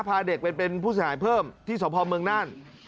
พาเด็กไปเป็นผู้เสียหายเพิ่มที่สพเมืองน่าน